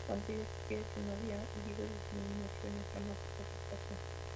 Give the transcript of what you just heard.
Lo anterior sugiere que no ha habido disminuciones dramáticas del taxón.